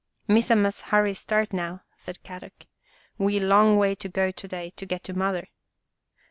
" Missa must hurry start now," said Kadok. " We long way to go to day to get to Mother."